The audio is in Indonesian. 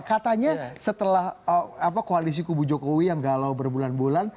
katanya setelah koalisi kubu jokowi yang galau berbulan bulan